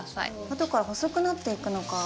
後から細くなっていくのか。